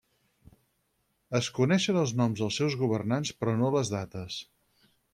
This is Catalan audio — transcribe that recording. Es coneixen els noms dels seus governants però no les dates.